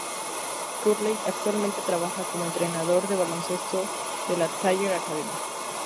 Curley actualmente trabaja como entrenador de baloncesto de la Thayer Academy.